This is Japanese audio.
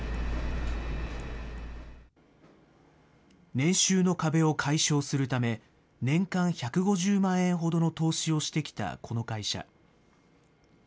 年収の壁を解消するため、年間１５０万円ほどの投資をしてきたこの会社。